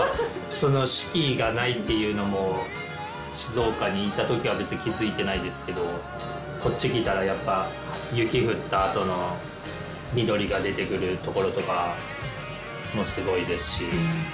四季がないっていうのも静岡にいたときは別に気づいてないですけどこっち来たらやっぱ雪降ったあとの緑が出てくるところとかもすごいですし。